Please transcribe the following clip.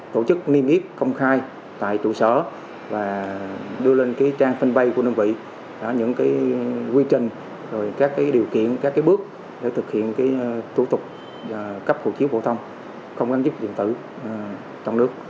tổ chức niêm yết công khai tại trụ sở và đưa lên trang fanpage của đơn vị những quy trình các điều kiện các bước để thực hiện thủ tục cấp hộ chiếu phổ thông không gắn chức điện tử trong nước